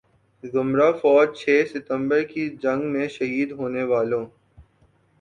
ذمرہ فوج چھ ستمبر کی جنگ میں شہید ہونے والوں